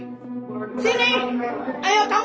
pak pak pak siapa pergi